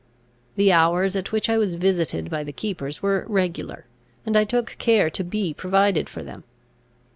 The hours at which I was visited by the keepers were regular, and I took care to be provided for them.